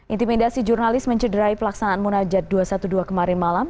intimidasi jurnalis mencederai pelaksanaan munajat dua ratus dua belas kemarin malam